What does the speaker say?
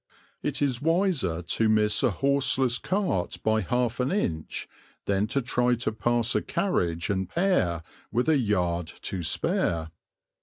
It is wiser to miss a horseless cart by half an inch than to try to pass a carriage and pair with a yard to spare.